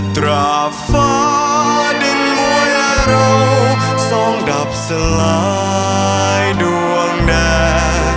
ตราบฟ้าดินมวยละเราสองดับสลายดวงแด